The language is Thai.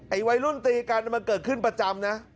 วัยรุ่นตีกันมันเกิดขึ้นประจำนะ